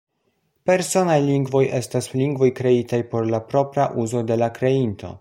Personaj lingvoj estas lingvoj kreitaj por la propra uzo de la kreinto.